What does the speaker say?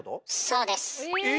そうです。え！